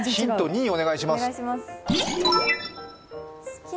２お願いします。